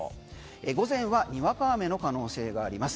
午前はにわか雨の可能性があります。